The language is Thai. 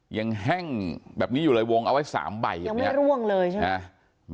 แห้งแบบนี้อยู่เลยวงเอาไว้๓ใบยังไม่ร่วงเลยใช่ไหม